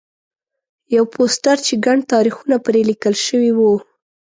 یو پوسټر چې ګڼ تاریخونه پرې لیکل شوي وو.